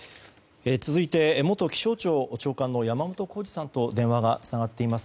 続いて元気象庁長官の山本孝二さんと電話がつながっています。